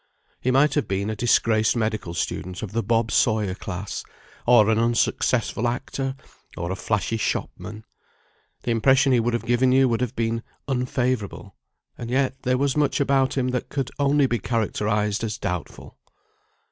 He might have been a disgraced medical student of the Bob Sawyer class, or an unsuccessful actor, or a flashy shopman. The impression he would have given you would have been unfavourable, and yet there was much about him that could only be characterised as doubtful.